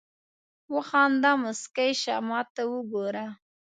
وخانده مسکی شه ماته وګوره